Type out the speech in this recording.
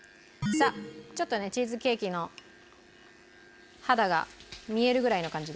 ちょっとねチーズケーキの肌が見えるぐらいな感じで。